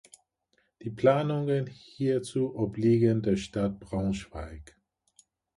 Die Planungen hierzu obliegen der Stadt Braunschweig.